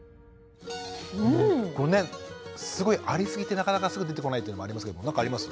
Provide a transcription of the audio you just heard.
これねすごいありすぎてなかなかすぐ出てこないっていうのもありますけど何かあります？